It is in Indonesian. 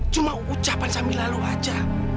cuma ucapan sambil lalu aja